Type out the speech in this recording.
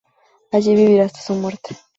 Allí viviría hasta su muerte.